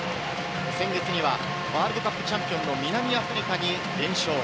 先月にはワールドカップチャンピオンの南アフリカに連勝。